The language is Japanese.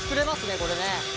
これね。